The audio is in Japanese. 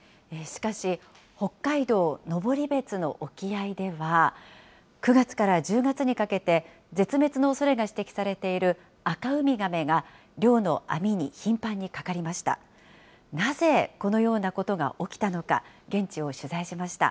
しかし、北海道登別の沖合では、９月から１０月にかけて、絶滅のおそれが指摘されているアカウミガメが、漁の網に頻繁にかかりました。